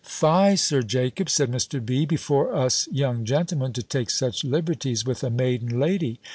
"Fie, Sir Jacob!" said Mr. B.; "before us young gentlemen, to take such liberties with a maiden lady!